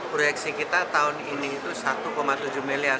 proyeksi kita tahun ini itu satu tujuh miliar